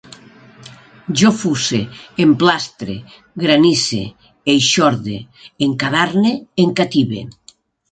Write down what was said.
Jo fusse, emplastre, granisse, eixorde, encadarne, encative